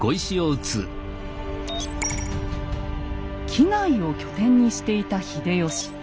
畿内を拠点にしていた秀吉。